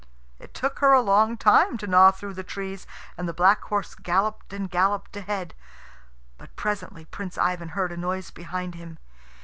It took her a long time to gnaw through the trees, and the black horse galloped and galloped ahead. But presently Prince Ivan heard a noise behind him.